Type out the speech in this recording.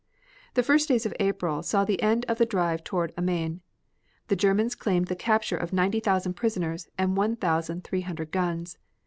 The first days of April saw the end of the drive toward Amiens. The Germans claimed the capture of ninety thousand prisoners and one thousand three hundred guns.